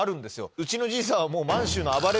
うちのじいさんは。